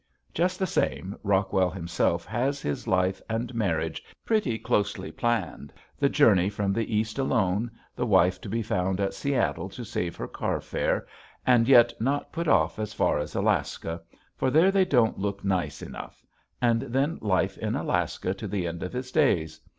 Just the same Rockwell himself has his life and marriage pretty closely planned, the journey from the East alone, the wife to be found at Seattle to save her carfare and yet not put off as far as Alaska, for there they don't look nice enough, and then life in Alaska to the end of his days.